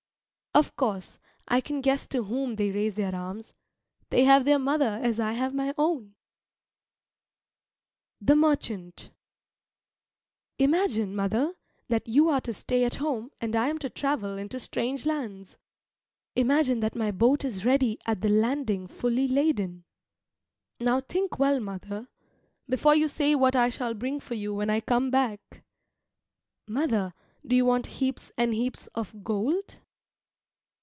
Of course, I can guess to whom they raise their arms: they have their mother as I have my own. [Illustration: From a drawing by Asit Kumar Haldar see cmerchant.jpg] THE MERCHANT Imagine, mother, that you are to stay at home and I am to travel into strange lands. Imagine that my boat is ready at the landing fully laden. Now think well, mother, before you say what I shall bring for you when I come back. Mother, do you want heaps and heaps of gold?